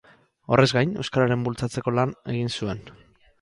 Horrez gain, euskararen bultzatzeko lan egin zuen.